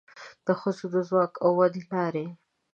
د ښځو د ځواک او ودې لارې